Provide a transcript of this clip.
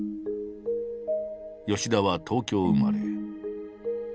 吉田は東京生まれ。